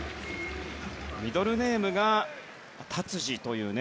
ミドルネームが達治という。